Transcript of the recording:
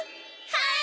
はい！